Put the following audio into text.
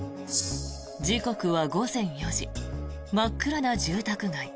時刻は午前４時真っ暗な住宅街。